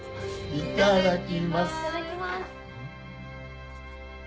いただきます。